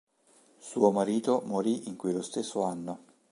Suo marito morì in quello stesso anno.